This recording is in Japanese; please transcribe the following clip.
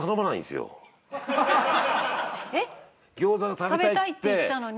食べたいって言ったのに？